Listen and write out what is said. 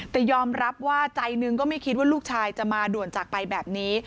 แต่ยอมรับว่าใจหนึ่งก็ไม่คิดว่าลูกชายจะมาด่วนจากไปแบบนี้